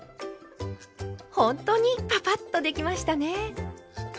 ほんとにパパッとできましたね。